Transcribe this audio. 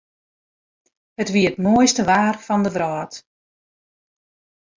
It wie it moaiste waar fan de wrâld.